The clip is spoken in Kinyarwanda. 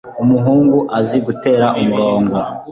Umuhungu azi gutera umurongo.